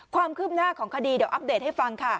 ความคืบหน้าของคดีเดี๋ยวอัปเดตให้ฟังค่ะ